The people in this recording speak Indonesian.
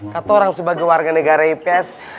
katorang sebagai warga negara ips